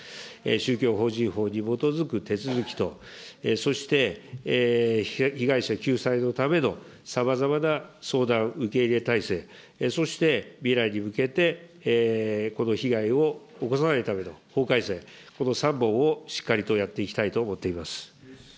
宗教法人法に基づく手続きと、そして被害者救済のためのさまざまな相談受け入れ体制、そして未来に向けてこの被害を起こさないための法改正、この３本をしっかりとやっていきたいと思っています。